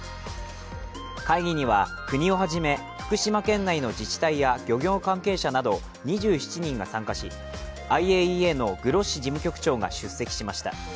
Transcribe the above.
会議には国をはじめ福島県内の自治体や漁業関係者など２７人が参加し、ＩＡＥＡのグロッシ事務局長が出席しました。